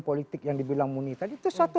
politik yang dibilang muni tadi itu satu